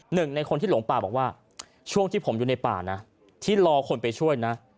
หนึ่งในคนที่หลงป่าบอกว่าช่วงที่ผมอยู่ในป่านะที่รอคนไปช่วยนะ